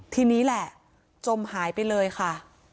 ทีนี้แหละจมหายไปเลยค่ะ